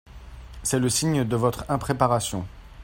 C’est le signe de votre impréparation.